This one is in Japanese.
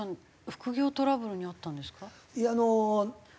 副業トラブルに遭ったんですか？